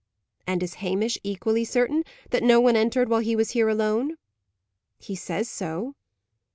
"And is Hamish equally certain that no one entered while he was here alone?" "He says so."